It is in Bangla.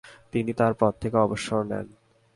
তিনি তার পদ থেকে অবসর নেন।